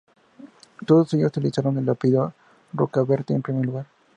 Todos ellos utilizaron el apellido Rocabertí en primer lugar.